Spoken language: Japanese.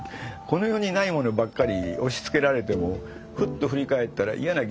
この世にないものばっかり押しつけられてもふっと振り返ったら嫌な